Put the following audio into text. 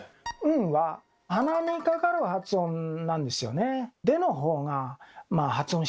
「ん」は鼻にかかる発音なんですよね。